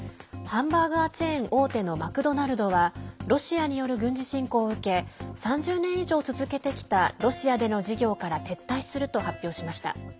ハンバーガーチェーン大手のマクドナルドはロシアによる軍事侵攻を受け３０年以上続けてきたロシアでの事業から撤退すると発表しました。